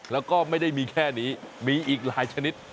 แล้วก็ไม่ได้มีแค่นี้มีอีกหลายชนิด